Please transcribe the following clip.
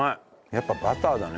やっぱバターだね